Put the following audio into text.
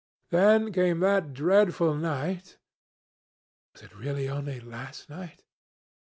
Then came that dreadful night—was it really only last night?